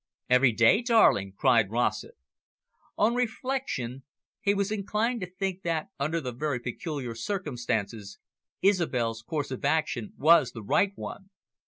"Every day, darling," cried Rossett. On reflection, he was inclined to think that, under the very peculiar circumstances, Isobel's course of action was the right one.